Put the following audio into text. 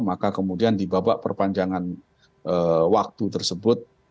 maka kemudian di babak perpanjangan waktu tersebut